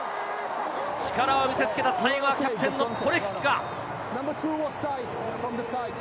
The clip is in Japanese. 力を見せつけたキャプテンのポレクキか。